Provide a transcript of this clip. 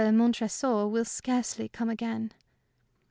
Montresor will scarcely come again."